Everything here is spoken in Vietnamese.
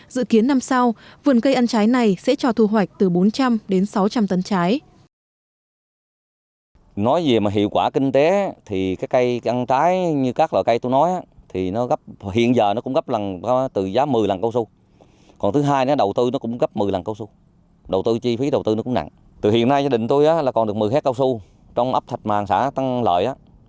dự kiến năm sau vườn cây ăn trái này sẽ cho thu hoạch từ bốn trăm linh đến sáu trăm linh tấn trái